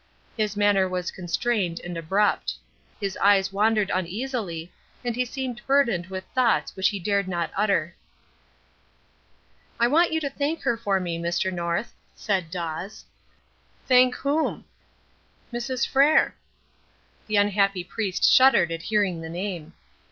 His manner was constrained and abrupt. His eyes wandered uneasily, and he seemed burdened with thoughts which he dared not utter. "I want you to thank her for me, Mr. North," said Dawes. "Thank whom?" "Mrs. Frere." The unhappy priest shuddered at hearing the name.